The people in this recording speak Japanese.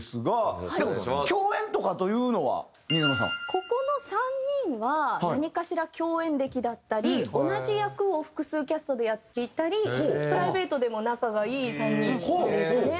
ここの３人は何かしら共演歴だったり同じ役を複数キャストでやっていたりプライベートでも仲がいい３人ですね。